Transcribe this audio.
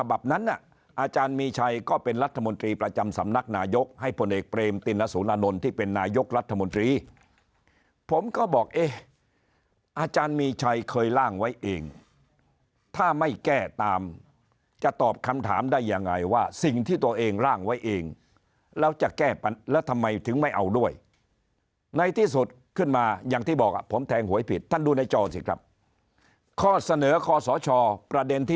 แบบนั้นน่ะอาจารย์มีชัยก็เป็นรัฐมนตรีประจำสำนักนายกให้พลเอกเปรมตินสุรานนท์ที่เป็นนายกรัฐมนตรีผมก็บอกเอ๊ะอาจารย์มีชัยเคยร่างไว้เองถ้าไม่แก้ตามจะตอบคำถามได้ยังไงว่าสิ่งที่ตัวเองร่างไว้เองแล้วจะแก้ปัญหาแล้วทำไมถึงไม่เอาด้วยในที่สุดขึ้นมาอย่างที่บอกอ่ะผมแทงหวยผิดท่านดูในจอสิครับข้อเสนอคอสชประเด็นที่